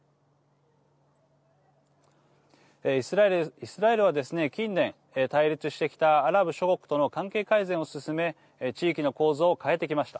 イスラエルはですね近年対立してきたアラブ諸国との関係改善を進め地域の構図を変えてきました。